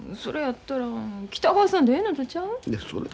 それやったら北川さんでええのんとちゃう？